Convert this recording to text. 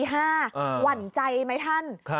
หวั่นใจไหมท่าน